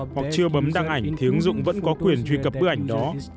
hoặc chưa bấm đăng ảnh thì ứng dụng vẫn có quyền truy cập bức ảnh đó